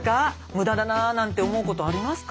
無駄だななんて思うことありますか？